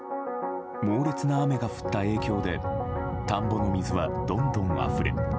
猛烈な雨が降った影響で田んぼの水はどんどんあふれ